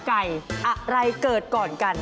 ใครเกิดก่อนกัน